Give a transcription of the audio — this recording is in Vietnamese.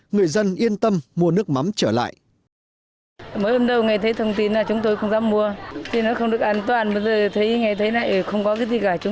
người dân đã đánh giá cho các loại nước mắm sản xuất theo phương pháp truyền thống